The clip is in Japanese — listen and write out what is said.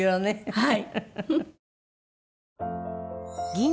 はい。